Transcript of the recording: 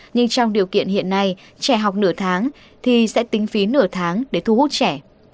nhưng trong điều kiện hiện nay trẻ học nửa tháng thì sẽ tính phí nửa tháng để thu hút trẻ